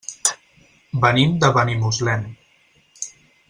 Venim de Benimuslem.